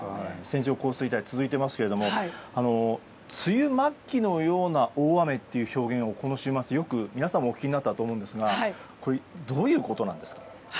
線状降水帯が続いていますが梅雨末期のような大雨という表現をこの週末、よく皆さんもお聞きになったと思うんですがどういうことなんですか？